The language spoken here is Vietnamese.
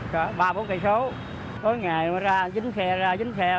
ba bốn km tối ngày dính xe ra dính xe